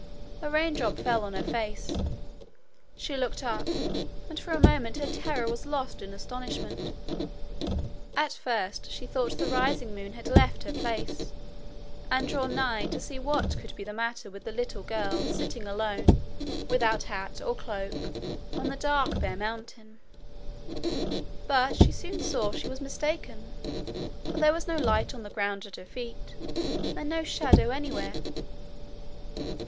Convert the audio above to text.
A raindrop fell on her face. She looked up, and for a moment her terror was lost in astonishment. At first she thought the rising moon had left her place, and drawn nigh to see what could be the matter with the little girl, sitting alone, without hat or cloak, on the dark bare mountain; but she soon saw she was mistaken, for there was no light on the ground at her feet, and no shadow anywhere.